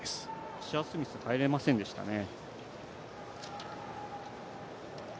アッシャースミス入れませんでしたね。